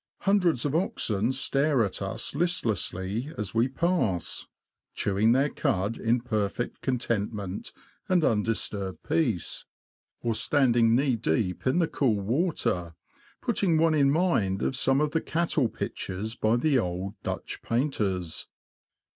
Hundreds of oxen E 2 52 THE LAND OF THE BROADS. stare at us listlessly as we pass, chewing their cud in perfect contentment and undisturbed peace, or standing knee deep in the cool water, putting one in mind 'of some of the cattle pictures by the old Dutch painters.